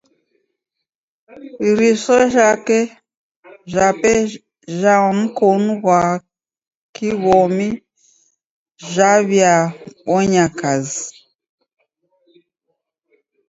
Iriso jape ja mkonu ghwa kiw'omi jaw'iabonya kazi.